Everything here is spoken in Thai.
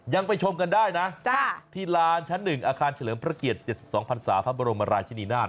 ยังไปชมกันได้นะที่ลานชั้น๑อาคารเฉลิมพระเกียรติ๗๒พันศาพระบรมราชินีนาฏ